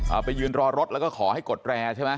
เอาไปยืนรอรถแล้วก็ขอให้กดแรร์ใช่ไหม